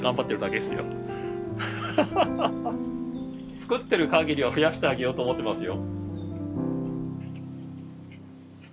作ってる限りは増やしてあげようと思ってますよ。